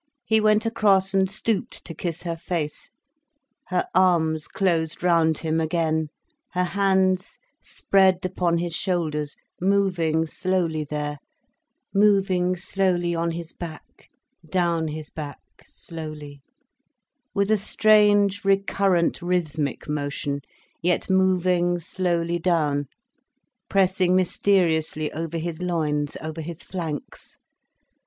He went across and stooped to kiss her face. Her arms closed round him again, her hands spread upon his shoulders, moving slowly there, moving slowly on his back, down his back slowly, with a strange recurrent, rhythmic motion, yet moving slowly down, pressing mysteriously over his loins, over his flanks.